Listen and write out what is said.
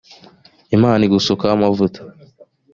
imana igusukaho amavuta